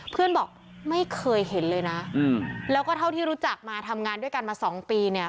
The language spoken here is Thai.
บอกไม่เคยเห็นเลยนะแล้วก็เท่าที่รู้จักมาทำงานด้วยกันมาสองปีเนี่ย